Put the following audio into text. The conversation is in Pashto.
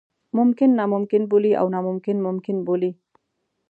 ممکن ناممکن بولي او ناممکن ممکن بولي.